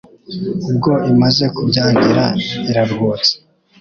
Ubwo imaze kubyagira iraruhutse